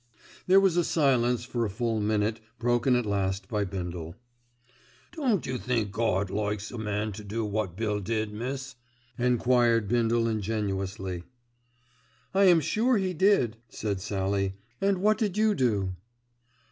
There was silence for a full minute broken at last by Bindle. "Don't you think Gawd likes a man to do wot Bill did, miss?" enquired Bindle ingenuously. "I am sure he did," said Sallie, "and what did you do?"